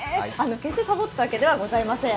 決してサボっていたわけではございません。